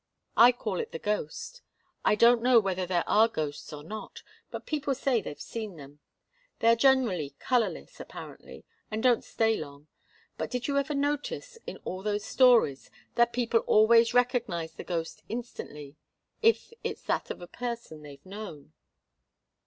I call it the ghost. I don't know whether there are ghosts or not, but people say they've seen them. They are generally colourless, apparently, and don't stay long. But did you ever notice, in all those stories, that people always recognize the ghost instantly if it's that of a person they've known?"